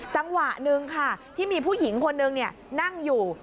จังหวะหนึ่งค่ะที่มีผู้หญิงคนนึงนั่งอยู่